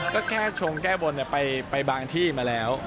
ก็แค่ชงแก้บนไปบางที่มาแล้ว